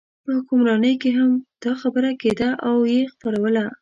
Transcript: په حکمرانۍ کې هم دا خبره کېده او یې خپروله.